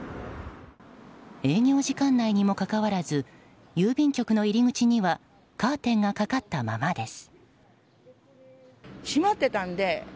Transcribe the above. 営業時間内にもかかわらず郵便局の入り口にはカーテンがかかったままです。